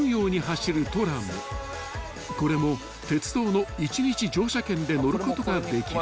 ［これも鉄道の１日乗車券で乗ることができる］